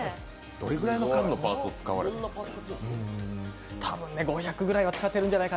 どれぐらいの数のパーツ使われたんですか？